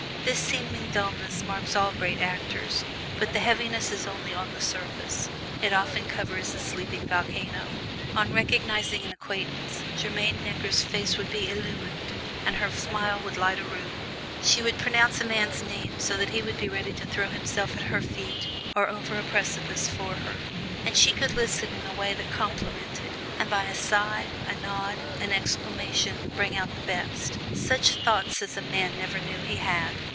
This seeming dulness marks all great actors, but the heaviness is only on the surface; it often covers a sleeping volcano. On recognizing an acquaintance, Germaine Necker's face would be illumined, and her smile would light a room. She could pronounce a man's name so he would be ready to throw himself at her feet, or over a precipice for her. And she could listen in a way that complimented; and by a sigh, a nod, an exclamation, bring out the best such thoughts as a man never knew he had.